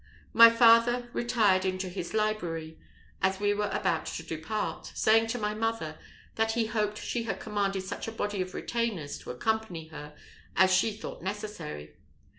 My father retired into his library, as we were about to depart, saying to my mother, that he hoped she had commanded such a body of retainers to accompany her as she thought necessary.